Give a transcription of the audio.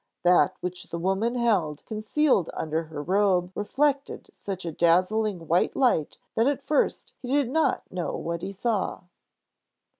That which the woman held concealed under her robe reflected such a dazzling white light that at first he did not know what he saw.